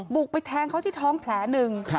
บุกไปแทงเขาที่ท้องแผลหนึ่ง